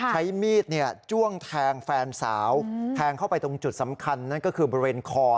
ใช้มีดจ้วงแทงแฟนสาวแทงเข้าไปตรงจุดสำคัญนั่นก็คือบริเวณคอ